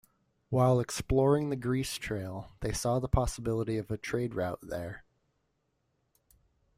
While exploring the Grease Trail, they saw the possibility of a trade route there.